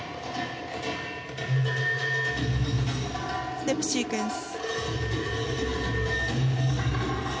ステップシークエンス。